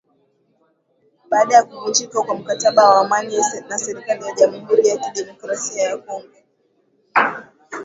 baada ya kuvunjika kwa mkataba wa amani na serikali ya Jamhuri ya kidemokrasia ya Kongo